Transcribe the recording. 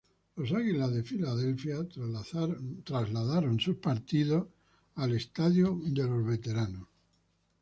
Los Philadelphia Eagles trasladaron a sus juegos al Veterans Stadium.